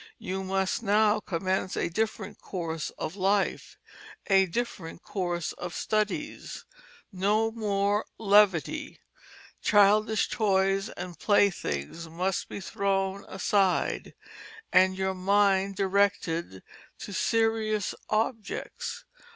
You must now commence a different course of life, a different course of studies. No more levity. Childish toys and playthings must be thrown aside, and your mind directed to serious objects.